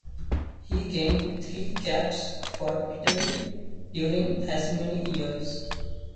He gained three caps for Italy, during as many years.